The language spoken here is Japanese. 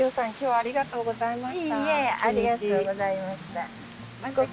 ありがとうございます。